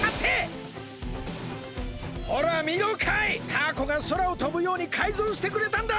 タアコがそらをとぶようにかいぞうしてくれたんだ！